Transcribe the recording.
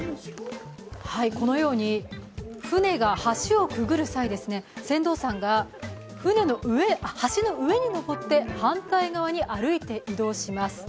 このように船が橋をくぐる際、船頭さんが橋の上に上って反対側に歩いて移動します。